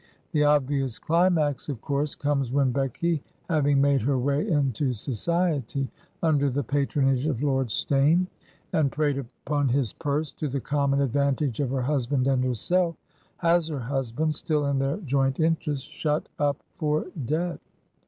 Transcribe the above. The obvious climax, of course, comes when Becky, having made her way into society under the patronage of Lord Steyne, and preyed upon his purse to the common advantage of her husband and herself, has her husband — ^still in their joint interest — shut up for debt.